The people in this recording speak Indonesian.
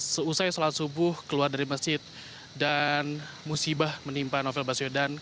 seusai sholat subuh keluar dari masjid dan musibah menimpa novel baswedan